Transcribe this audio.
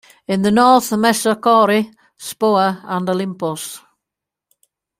In the north Mesochori, Spoa and Olympos.